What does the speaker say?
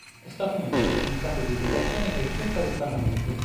È stato membro del Comitato di Educazione e Ricerca del Parlamento.